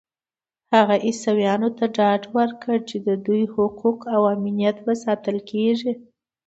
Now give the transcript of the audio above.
هغه عیسویانو ته ډاډ ورکړ چې د دوی حقوق او امنیت به ساتل کېږي.